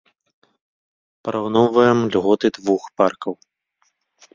Параўноўваем льготы двух паркаў.